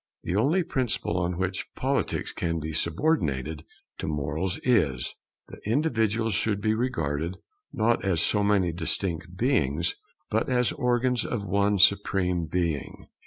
The only principle on which Politics can be subordinated to Morals is, that individuals should be regarded, not as so many distinct beings, but as organs of one Supreme Being.